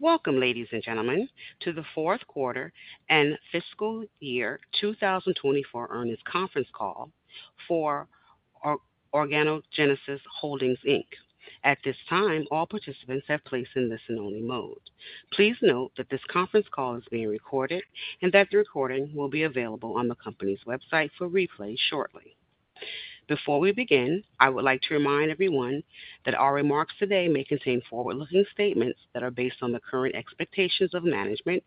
Welcome, ladies and gentlemen, to the fourth quarter and fiscal year 2024 earnings conference call for Organogenesis Holdings Inc. At this time, all participants have been placed in listen-only mode. Please note that this conference call is being recorded and that the recording will be available on the company's website for replay shortly. Before we begin, I would like to remind everyone that our remarks today may contain forward-looking statements that are based on the current expectations of management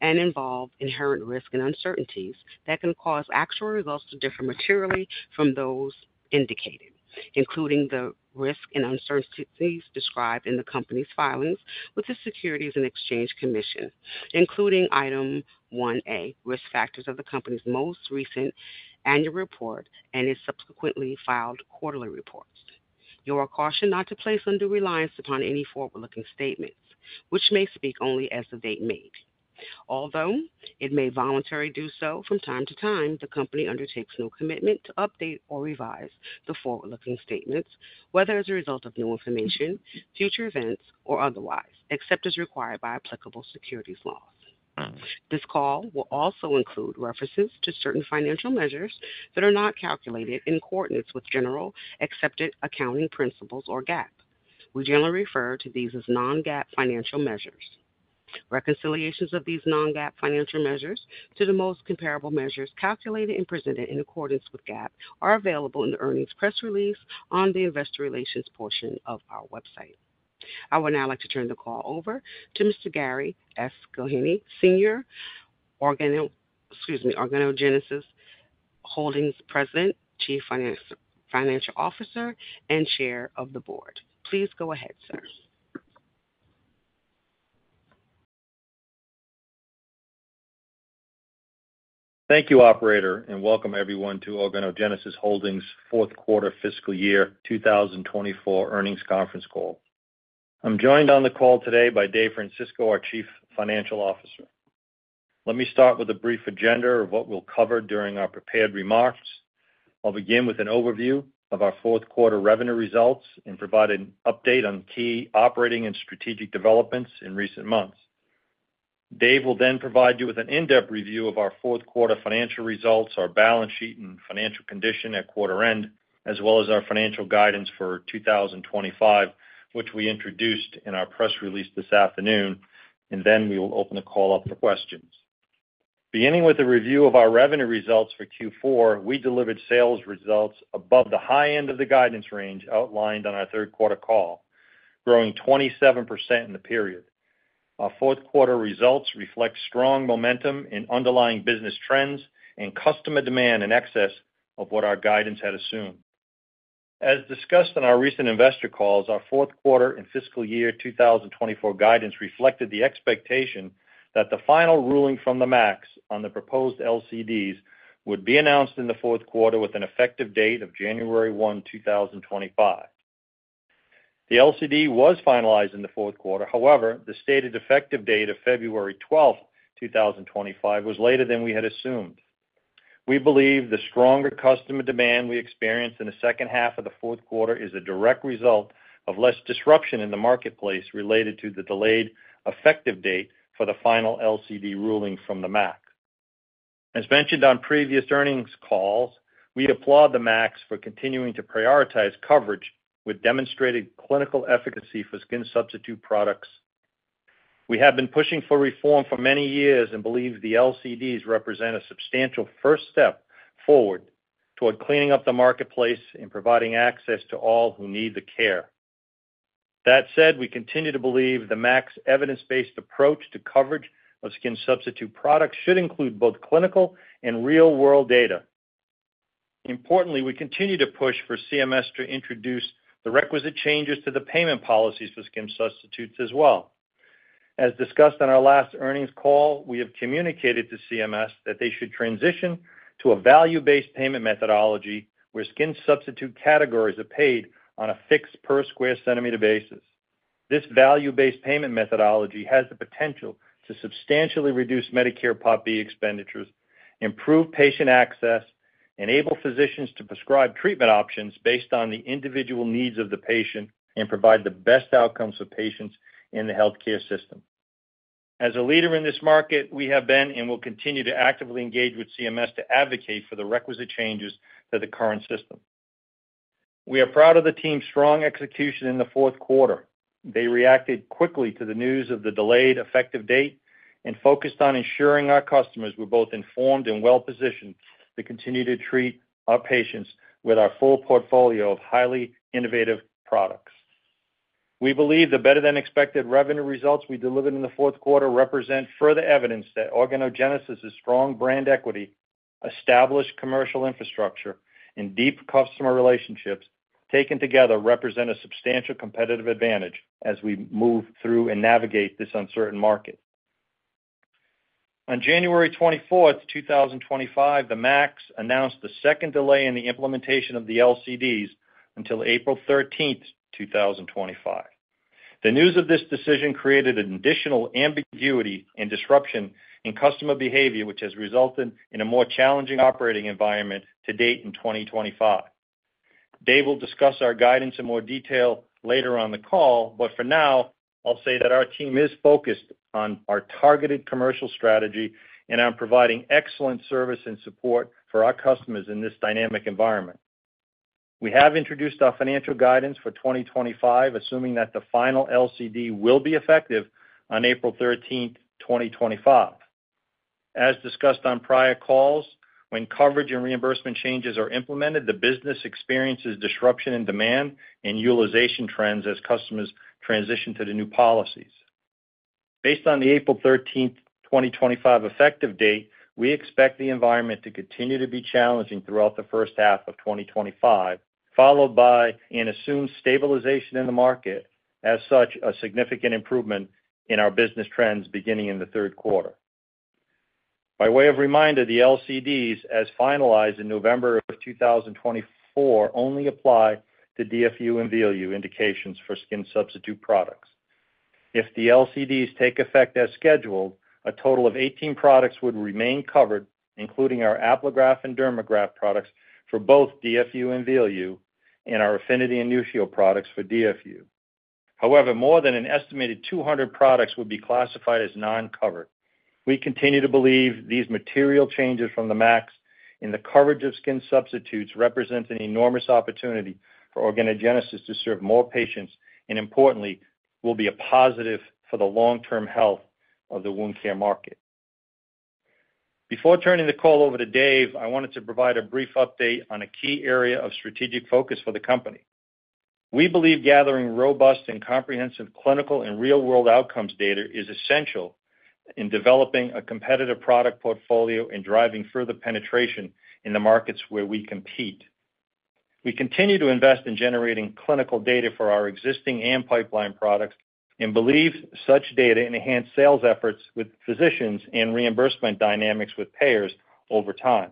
and involve inherent risk and uncertainties that can cause actual results to differ materially from those indicated, including the risk and uncertainties described in the company's filings with the Securities and Exchange Commission, including item 1A, risk factors of the company's most recent annual report and its subsequently filed quarterly reports. You are cautioned not to place undue reliance upon any forward-looking statements, which may speak only as of the date made. Although it may voluntarily do so from time to time, the company undertakes no commitment to update or revise the forward-looking statements, whether as a result of new information, future events, or otherwise, except as required by applicable securities laws. This call will also include references to certain financial measures that are not calculated in accordance with generally accepted accounting principles or GAAP. We generally refer to these as non-GAAP financial measures. Reconciliations of these non-GAAP financial measures to the most comparable measures calculated and presented in accordance with GAAP are available in the earnings press release on the investor relations portion of our website. I would now like to turn the call over to Mr. Gary S. Gillheeney, Sr., Organogenesis Holdings President, Chief Financial Officer, and Chair of the Board. Please go ahead, sir. Thank you, Operator, and welcome everyone to Organogenesis Holdings' fourth quarter fiscal year 2024 earnings conference call. I'm joined on the call today by Dave Francisco, our Chief Financial Officer. Let me start with a brief agenda of what we'll cover during our prepared remarks. I'll begin with an overview of our fourth quarter revenue results and provide an update on key operating and strategic developments in recent months. Dave will then provide you with an in-depth review of our fourth quarter financial results, our balance sheet and financial condition at quarter end, as well as our financial guidance for 2025, which we introduced in our press release this afternoon. We will open the call up for questions. Beginning with a review of our revenue results for Q4, we delivered sales results above the high end of the guidance range outlined on our third quarter call, growing 27% in the period. Our fourth quarter results reflect strong momentum in underlying business trends and customer demand in excess of what our guidance had assumed. As discussed in our recent investor calls, our fourth quarter and fiscal year 2024 guidance reflected the expectation that the final ruling from the MAC on the proposed LCDs would be announced in the fourth quarter with an effective date of January 1, 2025. The LCD was finalized in the fourth quarter. However, the stated effective date of February 12, 2025, was later than we had assumed. We believe the stronger customer demand we experienced in the second half of the fourth quarter is a direct result of less disruption in the marketplace related to the delayed effective date for the final LCD ruling from the MAC. As mentioned on previous earnings calls, we applaud the MAC for continuing to prioritize coverage with demonstrated clinical efficacy for skin substitute products. We have been pushing for reform for many years and believe the LCDs represent a substantial first step forward toward cleaning up the marketplace and providing access to all who need the care. That said, we continue to believe the MAC's evidence-based approach to coverage of skin substitute products should include both clinical and real-world data. Importantly, we continue to push for CMS to introduce the requisite changes to the payment policies for skin substitutes as well. As discussed on our last earnings call, we have communicated to CMS that they should transition to a value-based payment methodology where skin substitute categories are paid on a fixed per square centimeter basis. This value-based payment methodology has the potential to substantially reduce Medicare Part B expenditures, improve patient access, enable physicians to prescribe treatment options based on the individual needs of the patient, and provide the best outcomes for patients in the healthcare system. As a leader in this market, we have been and will continue to actively engage with CMS to advocate for the requisite changes to the current system. We are proud of the team's strong execution in the fourth quarter. They reacted quickly to the news of the delayed effective date and focused on ensuring our customers were both informed and well-positioned to continue to treat our patients with our full portfolio of highly innovative products. We believe the better-than-expected revenue results we delivered in the fourth quarter represent further evidence that Organogenesis's strong brand equity, established commercial infrastructure, and deep customer relationships taken together represent a substantial competitive advantage as we move through and navigate this uncertain market. On January 24, 2025, the MAC announced the second delay in the implementation of the LCDs until April 13, 2025. The news of this decision created an additional ambiguity and disruption in customer behavior, which has resulted in a more challenging operating environment to date in 2025. Dave will discuss our guidance in more detail later on the call, but for now, I'll say that our team is focused on our targeted commercial strategy and on providing excellent service and support for our customers in this dynamic environment. We have introduced our financial guidance for 2025, assuming that the final LCD will be effective on April 13, 2025. As discussed on prior calls, when coverage and reimbursement changes are implemented, the business experiences disruption in demand and utilization trends as customers transition to the new policies. Based on the April 13, 2025, effective date, we expect the environment to continue to be challenging throughout the first half of 2025, followed by an assumed stabilization in the market, as such a significant improvement in our business trends beginning in the third quarter. By way of reminder, the LCDs, as finalized in November of 2024, only apply to DFU and VLU indications for skin substitute products. If the LCDs take effect as scheduled, a total of 18 products would remain covered, including our Apligraf and Dermagraft products for both DFU and VLU, and our Affinity and Nutrice products for DFU. However, more than an estimated 200 products would be classified as non-covered. We continue to believe these material changes from the MAC in the coverage of skin substitutes represent an enormous opportunity for Organogenesis to serve more patients and, importantly, will be a positive for the long-term health of the wound care market. Before turning the call over to Dave, I wanted to provide a brief update on a key area of strategic focus for the company. We believe gathering robust and comprehensive clinical and real-world outcomes data is essential in developing a competitive product portfolio and driving further penetration in the markets where we compete. We continue to invest in generating clinical data for our existing and pipeline products and believe such data enhances sales efforts with physicians and reimbursement dynamics with payers over time.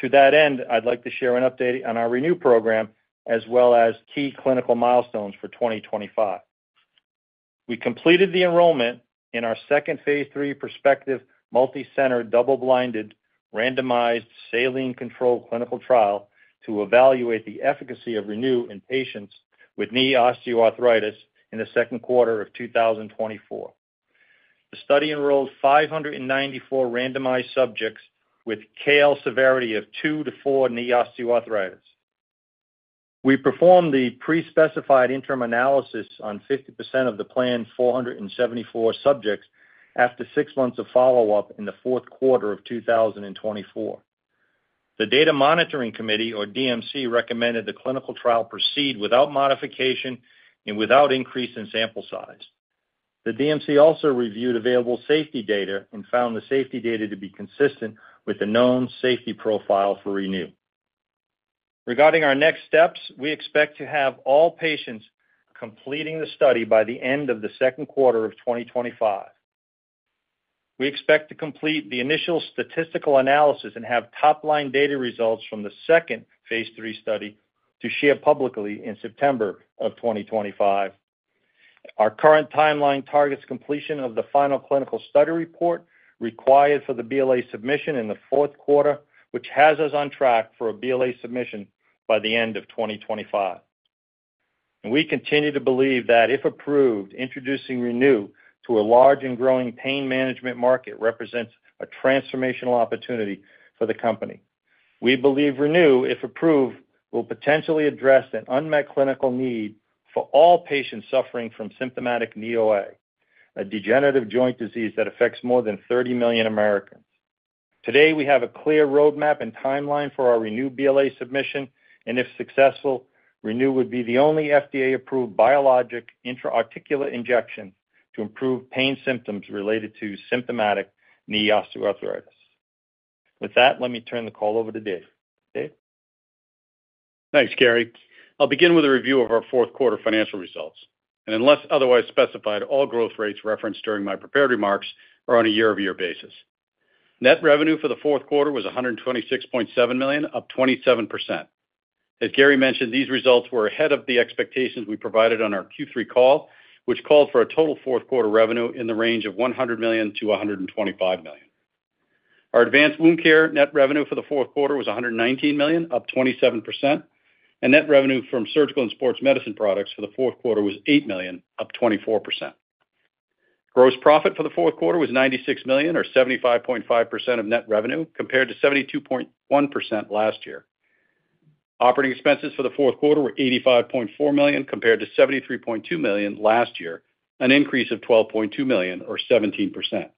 To that end, I'd like to share an update on our ReNu program as well as key clinical milestones for 2025. We completed the enrollment in our second phase 3 prospective multi-center double-blinded randomized saline-controlled clinical trial to evaluate the efficacy of ReNu in patients with knee osteoarthritis in the second quarter of 2024. The study enrolled 594 randomized subjects with KL severity of 2-4 knee osteoarthritis. We performed the pre-specified interim analysis on 50% of the planned 474 subjects after six months of follow-up in the fourth quarter of 2024. The Data Monitoring Committee, or DMC, recommended the clinical trial proceed without modification and without increase in sample size. The DMC also reviewed available safety data and found the safety data to be consistent with the known safety profile for ReNu. Regarding our next steps, we expect to have all patients completing the study by the end of the second quarter of 2025. We expect to complete the initial statistical analysis and have top-line data results from the second phase 3 study to share publicly in September of 2025. Our current timeline targets completion of the final clinical study report required for the BLA submission in the fourth quarter, which has us on track for a BLA submission by the end of 2025. We continue to believe that if approved, introducing ReNu to a large and growing pain management market represents a transformational opportunity for the company. We believe ReNu, if approved, will potentially address an unmet clinical need for all patients suffering from symptomatic knee OA, a degenerative joint disease that affects more than 30 million Americans. Today, we have a clear roadmap and timeline for our ReNu BLA submission, and if successful, ReNu would be the only FDA-approved biologic intra-articular injection to improve pain symptoms related to symptomatic knee osteoarthritis. With that, let me turn the call over to Dave. Dave? Thanks, Gary. I'll begin with a review of our fourth quarter financial results. Unless otherwise specified, all growth rates referenced during my prepared remarks are on a year-over-year basis. Net revenue for the fourth quarter was $126.7 million, up 27%. As Gary mentioned, these results were ahead of the expectations we provided on our Q3 call, which called for a total fourth quarter revenue in the range of $100 million-$125 million. Our advanced wound care net revenue for the fourth quarter was $119 million, up 27%. Net revenue from surgical and sports medicine products for the fourth quarter was $8 million, up 24%. Gross profit for the fourth quarter was $96 million, or 75.5% of net revenue, compared to 72.1% last year. Operating expenses for the fourth quarter were $85.4 million, compared to $73.2 million last year, an increase of $12.2 million, or 17%.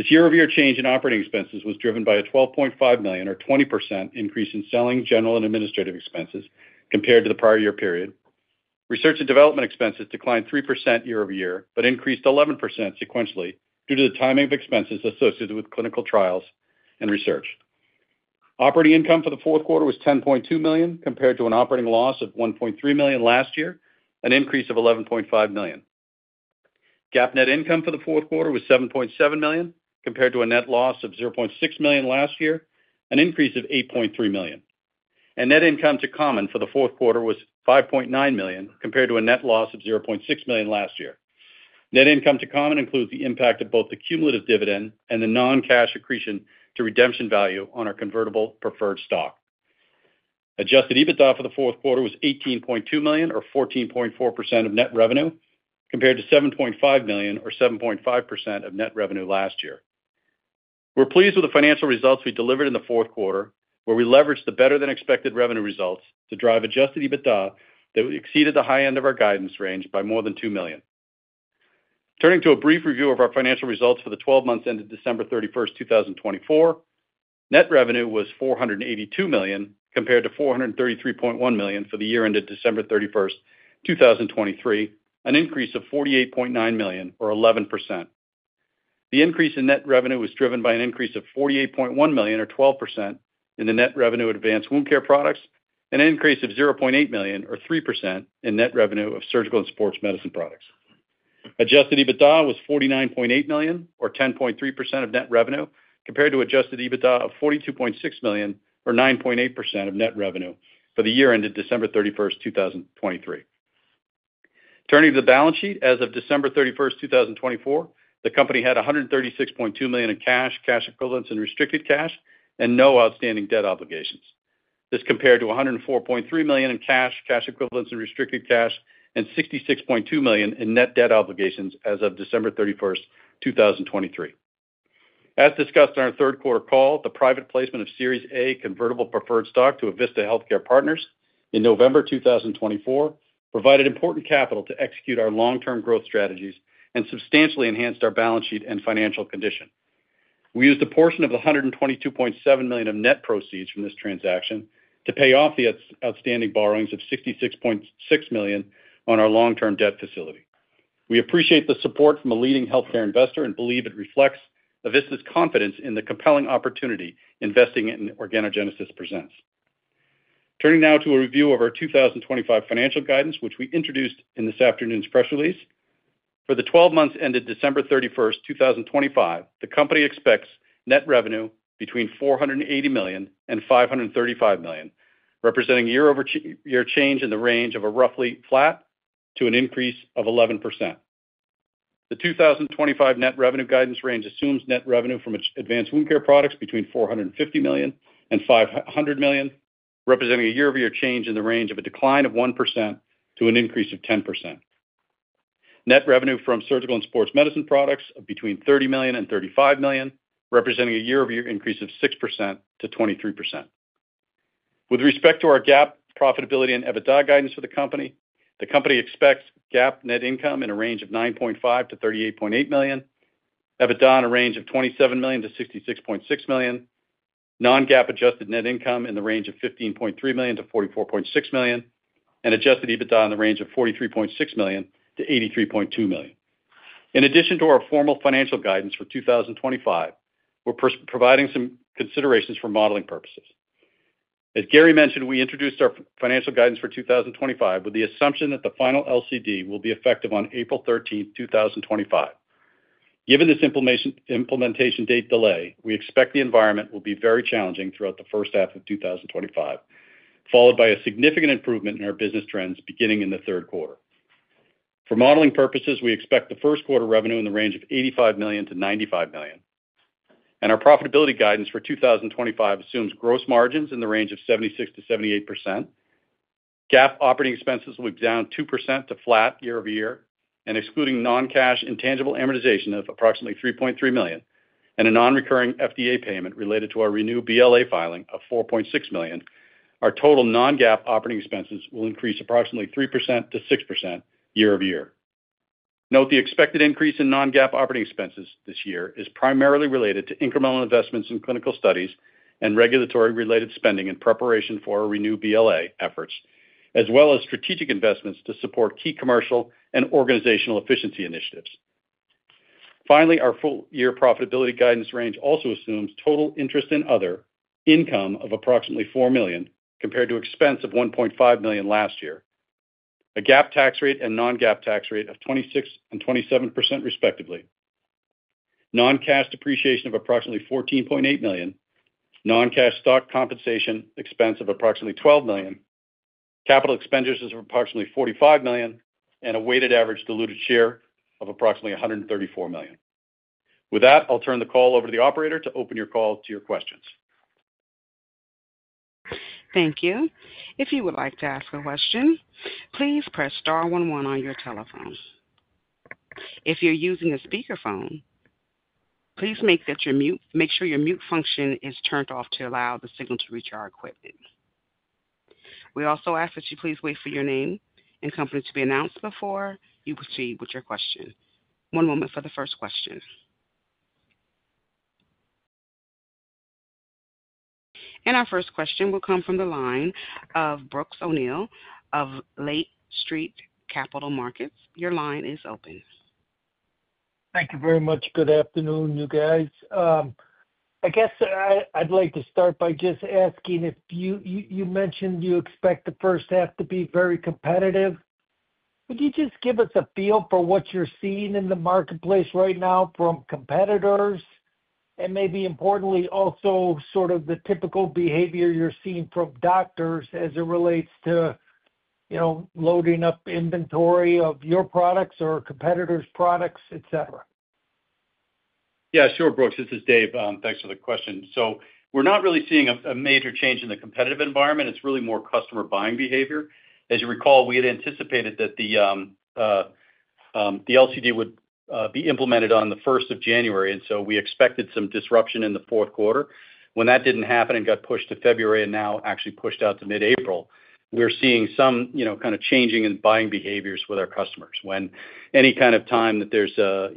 This year-over-year change in operating expenses was driven by a $12.5 million, or 20%, increase in selling, general, and administrative expenses compared to the prior year period. Research and development expenses declined 3% year-over-year but increased 11% sequentially due to the timing of expenses associated with clinical trials and research. Operating income for the fourth quarter was $10.2 million, compared to an operating loss of $1.3 million last year, an increase of $11.5 million. GAAP net income for the fourth quarter was $7.7 million, compared to a net loss of $0.6 million last year, an increase of $8.3 million. Net income to common for the fourth quarter was $5.9 million, compared to a net loss of $0.6 million last year. Net income to common includes the impact of both the cumulative dividend and the non-cash accretion to redemption value on our convertible preferred stock. Adjusted EBITDA for the fourth quarter was $18.2 million, or 14.4% of net revenue, compared to $7.5 million, or 7.5% of net revenue last year. We're pleased with the financial results we delivered in the fourth quarter, where we leveraged the better-than-expected revenue results to drive adjusted EBITDA that exceeded the high end of our guidance range by more than $2 million. Turning to a brief review of our financial results for the 12 months ended December 31, 2024, net revenue was $482 million, compared to $433.1 million for the year ended December 31, 2023, an increase of $48.9 million, or 11%. The increase in net revenue was driven by an increase of $48.1 million, or 12%, in the net revenue of advanced wound care products and an increase of $0.8 million, or 3%, in net revenue of surgical and sports medicine products. Adjusted EBITDA was $49.8 million, or 10.3% of net revenue, compared to adjusted EBITDA of $42.6 million, or 9.8% of net revenue for the year ended December 31, 2023. Turning to the balance sheet, as of December 31, 2024, the company had $136.2 million in cash, cash equivalents, and restricted cash, and no outstanding debt obligations. This compared to $104.3 million in cash, cash equivalents, and restricted cash, and $66.2 million in net debt obligations as of December 31, 2023. As discussed on our third quarter call, the private placement of Series A convertible preferred stock to Avista Healthcare Partners in November 2024 provided important capital to execute our long-term growth strategies and substantially enhanced our balance sheet and financial condition. We used a portion of the $122.7 million of net proceeds from this transaction to pay off the outstanding borrowings of $66.6 million on our long-term debt facility. We appreciate the support from a leading healthcare investor and believe it reflects Avista's confidence in the compelling opportunity investing in Organogenesis presents. Turning now to a review of our 2025 financial guidance, which we introduced in this afternoon's press release. For the 12 months ended December 31, 2025, the company expects net revenue between $480 million and $535 million, representing year-over-year change in the range of a roughly flat to an increase of 11%. The 2025 net revenue guidance range assumes net revenue from advanced wound care products between $450 million and $500 million, representing a year-over-year change in the range of a decline of 1% to an increase of 10%. Net revenue from surgical and sports medicine products of between $30 million and $35 million, representing a year-over-year increase of 6% to 23%. With respect to our GAAP profitability and EBITDA guidance for the company, the company expects GAAP net income in a range of $9.5-$38.8 million, EBITDA in a range of $27 million-$66.6 million, non-GAAP adjusted net income in the range of $15.3 million-$44.6 million, and Adjusted EBITDA in the range of $43.6 million-$83.2 million. In addition to our formal financial guidance for 2025, we're providing some considerations for modeling purposes. As Gary mentioned, we introduced our financial guidance for 2025 with the assumption that the final LCD will be effective on April 13, 2025. Given this implementation date delay, we expect the environment will be very challenging throughout the first half of 2025, followed by a significant improvement in our business trends beginning in the third quarter. For modeling purposes, we expect the first quarter revenue in the range of $85 million-$95 million. Our profitability guidance for 2025 assumes gross margins in the range of 76%-78%. GAAP operating expenses will be down 2% to flat year-over-year, and excluding non-cash intangible amortization of approximately $3.3 million and a non-recurring FDA payment related to our ReNu BLA filing of $4.6 million, our total non-GAAP operating expenses will increase approximately 3%-6% year-over-year. Note the expected increase in non-GAAP operating expenses this year is primarily related to incremental investments in clinical studies and regulatory-related spending in preparation for our ReNu BLA efforts, as well as strategic investments to support key commercial and organizational efficiency initiatives. Finally, our full-year profitability guidance range also assumes total interest and other income of approximately $4 million compared to expense of $1.5 million last year, a GAAP tax rate and non-GAAP tax rate of 26% and 27%, respectively, non-cash depreciation of approximately $14.8 million, non-cash stock compensation expense of approximately $12 million, capital expenditures of approximately $45 million, and a weighted average diluted share of approximately 134 million. With that, I'll turn the call over to the operator to open your call to your questions. Thank you. If you would like to ask a question, please press star 11 on your telephone. If you're using a speakerphone, please make sure your mute function is turned off to allow the signal to reach our equipment. We also ask that you please wait for your name and company to be announced before you proceed with your question. One moment for the first question. Our first question will come from the line of Brooks O'Neill of Lake Street Capital Markets. Your line is open. Thank you very much. Good afternoon, you guys. I guess I'd like to start by just asking if you mentioned you expect the first half to be very competitive. Could you just give us a feel for what you're seeing in the marketplace right now from competitors? Maybe importantly, also sort of the typical behavior you're seeing from doctors as it relates to loading up inventory of your products or competitors' products, etc. Yeah, sure, Brooks. This is Dave. Thanks for the question. We're not really seeing a major change in the competitive environment. It's really more customer buying behavior. As you recall, we had anticipated that the LCD would be implemented on the 1st of January. We expected some disruption in the fourth quarter. When that did not happen and got pushed to February and now actually pushed out to mid-April, we're seeing some kind of changing in buying behaviors with our customers. Any kind of time that there's a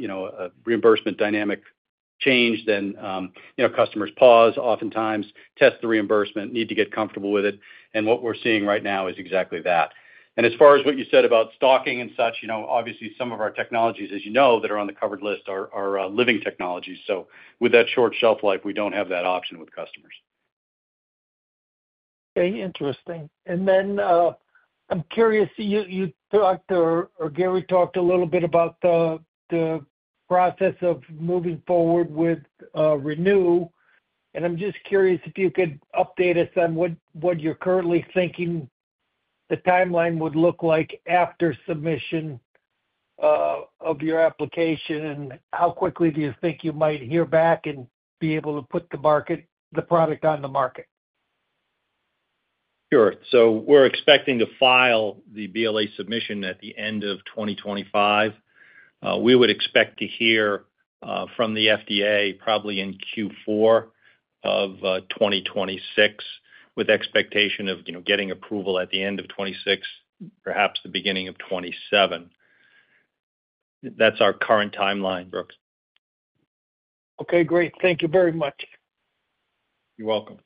reimbursement dynamic change, customers pause, oftentimes test the reimbursement, need to get comfortable with it. What we're seeing right now is exactly that. As far as what you said about stocking and such, obviously some of our technologies, as you know, that are on the covered list are living technologies. With that short shelf life, we don't have that option with customers. Okay. Interesting. I am curious, you talked or Gary talked a little bit about the process of moving forward with ReNu. I am just curious if you could update us on what you are currently thinking the timeline would look like after submission of your application and how quickly do you think you might hear back and be able to put the product on the market? Okay. Great. Thank you very much. You're welcome.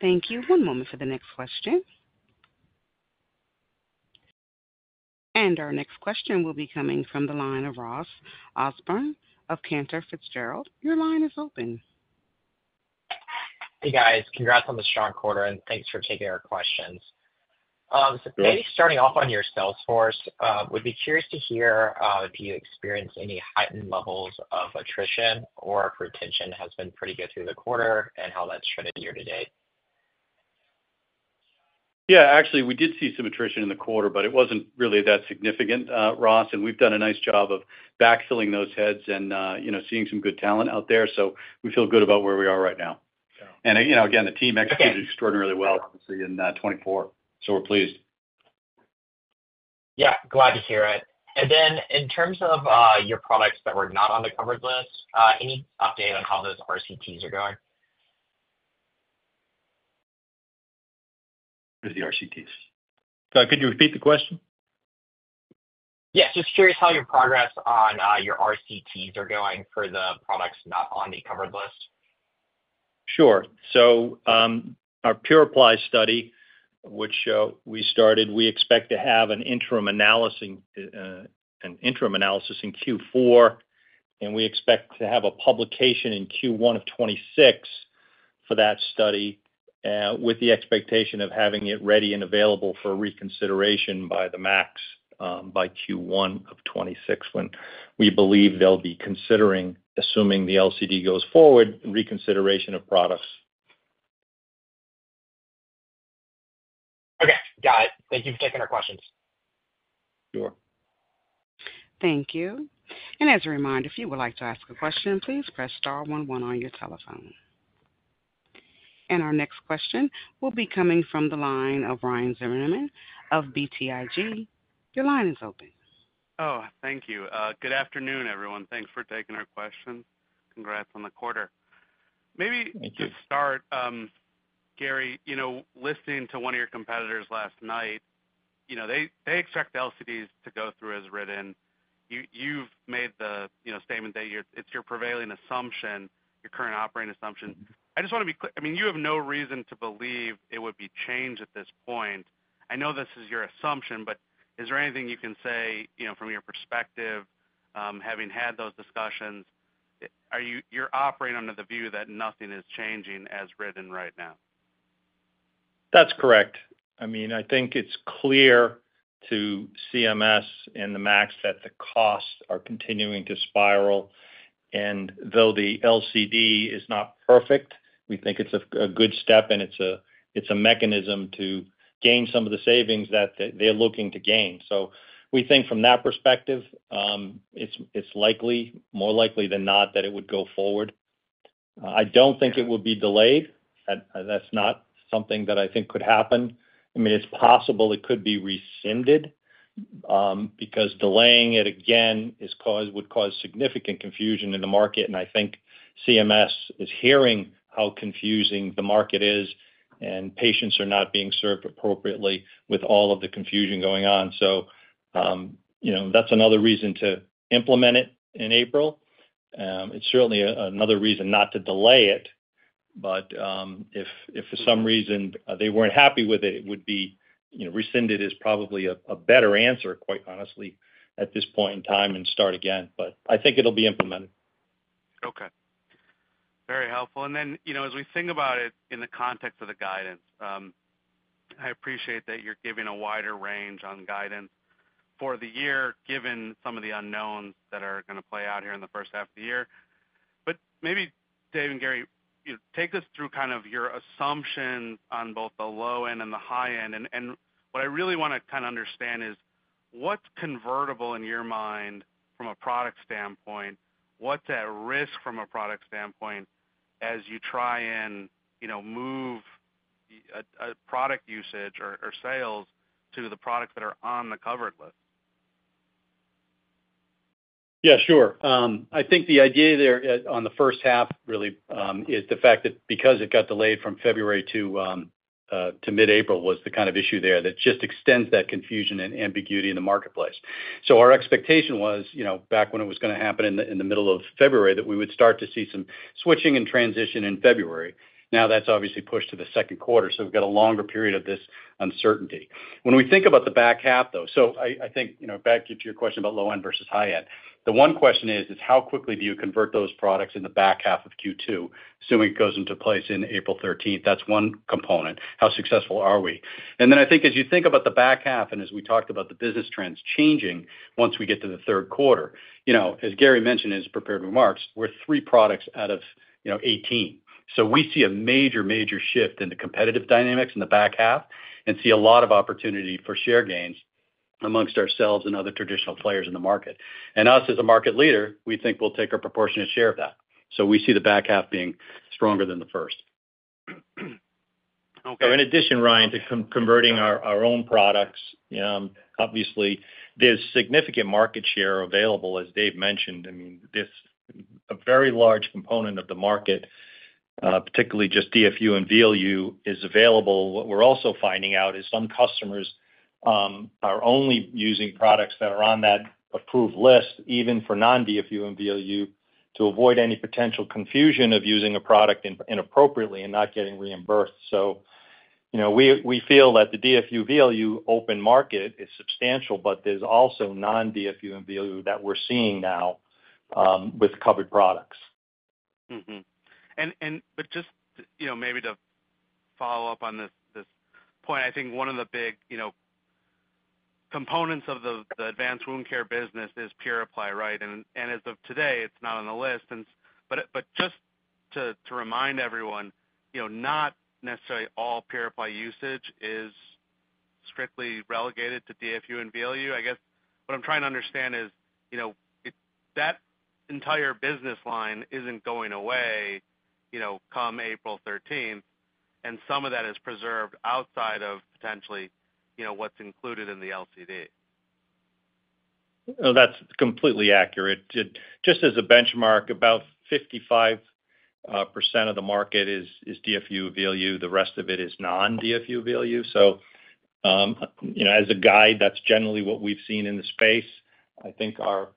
Thank you. One moment for the next question. Our next question will be coming from the line of Ross Osborne of Cantor Fitzgerald. Your line is open. Hey, guys. Congrats on the strong quarter, and thanks for taking our questions. Maybe starting off on your sales force, we'd be curious to hear if you experienced any heightened levels of attrition or if retention has been pretty good through the quarter and how that's trended year to date. Yeah. Actually, we did see some attrition in the quarter, but it wasn't really that significant, Ross. We have done a nice job of backfilling those heads and seeing some good talent out there. We feel good about where we are right now. The team executed extraordinarily well, obviously, in 2024. We are pleased. Yeah. Glad to hear it. In terms of your products that were not on the covered list, any update on how those RCTs are going? What are the RCTs? Could you repeat the question? Yeah. Just curious how your progress on your RCTs are going for the products not on the covered list. Sure. Our Pure Apply study, which we started, we expect to have an interim analysis in Q4, and we expect to have a publication in Q1 of 2026 for that study with the expectation of having it ready and available for reconsideration by the MAC by Q1 of 2026 when we believe they'll be considering, assuming the LCD goes forward, reconsideration of products. Okay. Got it. Thank you for taking our questions. Sure. Thank you. As a reminder, if you would like to ask a question, please press star 11 on your telephone. Our next question will be coming from the line of Ryan Zimmerman of BTIG. Your line is open. Oh, thank you. Good afternoon, everyone. Thanks for taking our questions. Congrats on the quarter. Maybe to start, Gary, listening to one of your competitors last night, they expect LCDs to go through as written. You've made the statement that it's your prevailing assumption, your current operating assumption. I just want to be clear. I mean, you have no reason to believe it would be changed at this point. I know this is your assumption, but is there anything you can say from your perspective, having had those discussions? You're operating under the view that nothing is changing as written right now. That's correct. I mean, I think it's clear to CMS and the MAC that the costs are continuing to spiral. Though the LCD is not perfect, we think it's a good step, and it's a mechanism to gain some of the savings that they're looking to gain. We think from that perspective, it's more likely than not that it would go forward. I don't think it would be delayed. That's not something that I think could happen. I mean, it's possible it could be rescinded because delaying it again would cause significant confusion in the market. I think CMS is hearing how confusing the market is, and patients are not being served appropriately with all of the confusion going on. That's another reason to implement it in April. It's certainly another reason not to delay it. If for some reason they weren't happy with it, it would be rescinded is probably a better answer, quite honestly, at this point in time and start again. I think it'll be implemented. Okay. Very helpful. As we think about it in the context of the guidance, I appreciate that you're giving a wider range on guidance for the year, given some of the unknowns that are going to play out here in the first half of the year. Maybe, Dave and Gary, take us through kind of your assumptions on both the low end and the high end. What I really want to kind of understand is what's convertible in your mind from a product standpoint? What's at risk from a product standpoint as you try and move product usage or sales to the products that are on the covered list? Yeah, sure. I think the idea there on the first half really is the fact that because it got delayed from February to mid-April was the kind of issue there that just extends that confusion and ambiguity in the marketplace. Our expectation was back when it was going to happen in the middle of February that we would start to see some switching and transition in February. Now that's obviously pushed to the second quarter. We have a longer period of this uncertainty. When we think about the back half, though, I think back to your question about low end versus high end, the one question is, how quickly do you convert those products in the back half of Q2, assuming it goes into place on April 13? That's one component. How successful are we? I think as you think about the back half and as we talked about the business trends changing once we get to the third quarter, as Gary mentioned in his prepared remarks, we are three products out of 18. We see a major, major shift in the competitive dynamics in the back half and see a lot of opportunity for share gains amongst ourselves and other traditional players in the market. Us as a market leader, we think we will take a proportionate share of that. We see the back half being stronger than the first. Okay. In addition, Ryan, to converting our own products, obviously, there's significant market share available, as Dave mentioned. I mean, a very large component of the market, particularly just DFU and VLU, is available. What we're also finding out is some customers are only using products that are on that approved list, even for non-DFU and VLU, to avoid any potential confusion of using a product inappropriately and not getting reimbursed. We feel that the DFU/VLU open market is substantial, but there's also non-DFU and VLU that we're seeing now with covered products. Just maybe to follow up on this point, I think one of the big components of the advanced wound care business is PuraPly, right? As of today, it's not on the list. Just to remind everyone, not necessarily all PuraPly usage is strictly relegated to DFU and VLU. I guess what I'm trying to understand is that entire business line isn't going away come April 13, and some of that is preserved outside of potentially what's included in the LCD. That's completely accurate. Just as a benchmark, about 55% of the market is DFU/VLU. The rest of it is non-DFU/VLU. As a guide, that's generally what we've seen in the space. I think our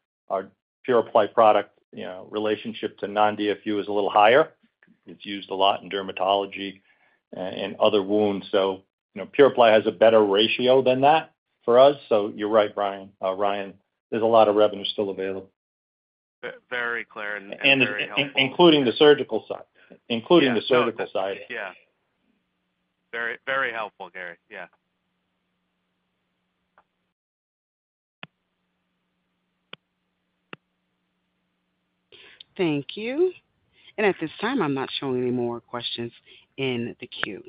PuraPly product relationship to non-DFU is a little higher. It's used a lot in dermatology and other wounds. PuraPly has a better ratio than that for us. You're right, Ryan. Ryan, there's a lot of revenue still available. Very clear and very helpful. Including the surgical side. Yeah. Very helpful, Gary. Yeah. Thank you. At this time, I'm not showing any more questions in the queue.